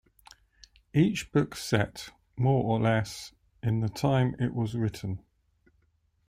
Each book set, more or less, in the time it was written.